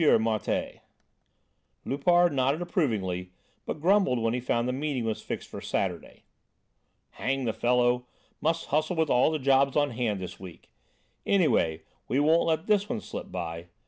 Martialle. Loupart nodded approvingly, but grumbled when he found the meeting was fixed for Saturday. "Hang the fellow! Must hustle with all the jobs on hand this week. Anyway, we won't let this one slip by.